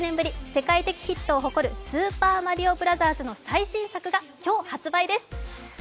世界的ヒットを誇る「スーパーマリオブラザーズ」の最新作が今日発売です。